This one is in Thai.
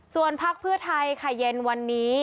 ส่วนพักเพื่อไทยค่ะเย็นวันนี้